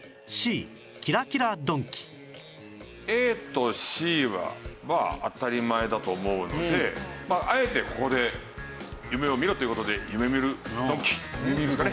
ＡとＣは当たり前だと思うのであえてここで夢を見ろっていう事でゆめみるドンキですかね。